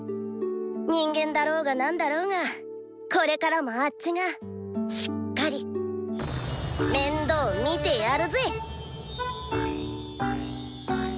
人間だろうがなんだろうがこれからもあッチがしっかり面倒みてやるぜ！